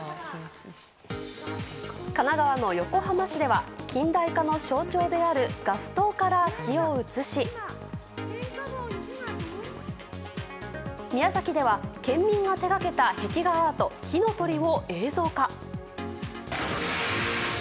神奈川の横浜市では近代化の象徴であるガス灯から火を移し宮崎では県民が手掛けた壁画アート火の鳥を映像化。